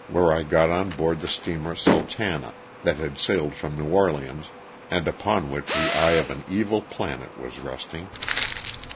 where I got on board the steamer *' Sultana," that had sailed from New Orleans, and upon which the eye of an evil planet was resting.